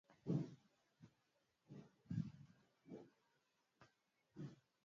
waziri wa zamani wa mambo ya ndani aliyetajwa na bunge kama waziri mkuu